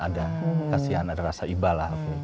ada kasihan ada rasa ibalah